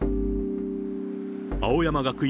青山学院